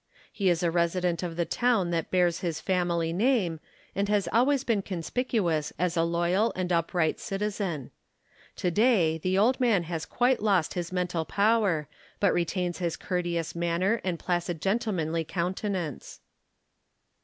He is a resident of the town that bears his family name and has always been conspicuous as a loyal and upright FACTS ABOUT THE KALLIKAK FAMILY 97 citizen. To day, the old man has quite lost his mental power but retains his courteous manner and placid gentlemanly countenance.